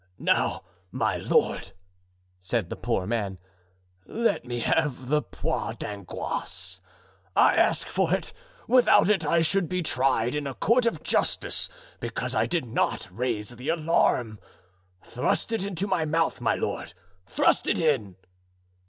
"Now, my lord," said the poor man, "let me have the poire d'angoisse. I ask for it; without it I should be tried in a court of justice because I did not raise the alarm. Thrust it into my mouth, my lord, thrust it in."